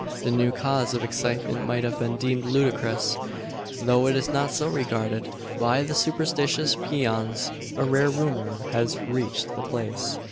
The new cause of excitement might have been deemed ludicrous; though it is not so regarded by the superstitious peons. A rare rumour has reached the place.